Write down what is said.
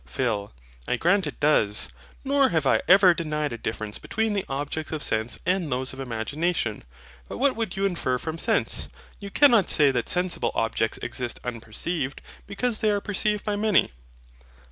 PHIL. I grant it does. Nor have I ever denied a difference between the objects of sense and those of imagination. But what would you infer from thence? You cannot say that sensible objects exist unperceived, because they are perceived by many.